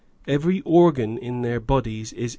Every organ in their bodies * H.